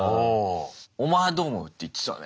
「お前どう思う？」って言ってたね。